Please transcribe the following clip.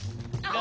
あ。